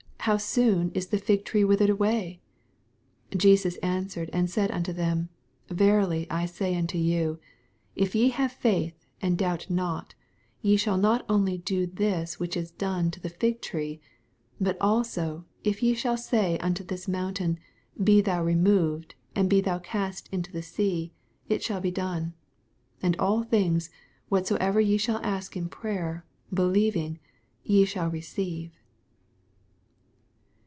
How soon is the fig tree withered away ! 21 Jesus answered and said unto them. Verily I say unto you, If ye have faith, and doubt not, ye shall not only do this which is done to the fig tree, but also if ye shall say unto this mountain, Be thou removed, and be thou cast into the sea ; it shall be done. 22 And all things, whatsoever ye shaU ask inprayer,l)elieving, ye shall receive.